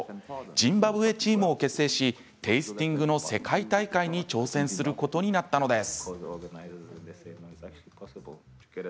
ジンバブエチームを結成しテースティングの世界大会に挑戦することになったのです。